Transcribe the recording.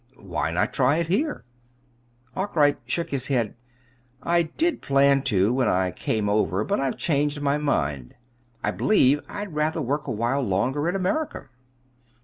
"Why not try it here?" Arkwright shook his head. "I did plan to, when I came over but I've changed my mind. I believe I'd rather work while longer in America."